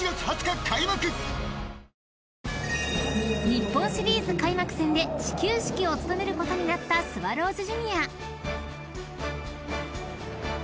［日本シリーズ開幕戦で始球式を務めることになったスワローズジュニア］